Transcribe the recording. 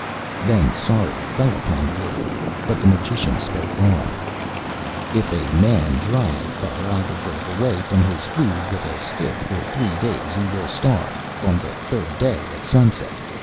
Then sorrow fell upon Leothric, but the magician spoke on: 'If a man drive Tharagavverug away from his food with a stick for three days, he will starve on the third day at sunset.